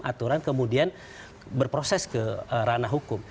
aturan kemudian berproses ke ranah hukum